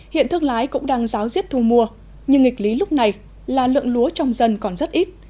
hiện thương lái cũng đang giáo diết thu mua nhưng nghịch lý lúc này là lượng lúa trong dân còn rất ít